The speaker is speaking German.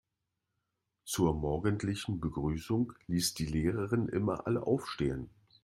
Zur morgendlichen Begrüßung ließ die Lehrerin immer alle aufstehen.